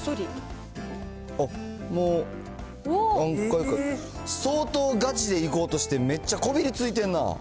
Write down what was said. あっ、もう何回か、相当ガチでいこうとして、めっちゃこびりついてんなぁ。